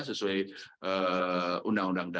sesuai undang undang